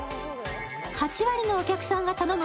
８割のお客さんが頼む